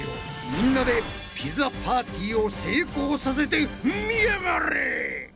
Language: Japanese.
みんなでピザパーティーを成功させてみやがれ！